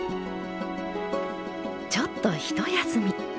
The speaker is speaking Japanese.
ちょっと一休み。